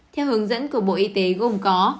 theo hướng dẫn của bộ y tế gồm có